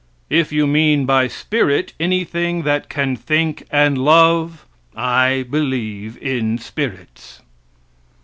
If you mean by spirit anything that can think and love, I believe in spirits.